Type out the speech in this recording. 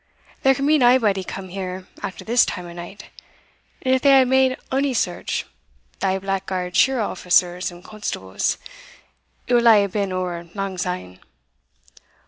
There can be naebody come here after this time o' night; and if they hae made ony search, thae blackguard shirra' officers and constables, it will hae been ower lang syne.